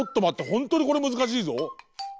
ホントにこれむずかしいぞ。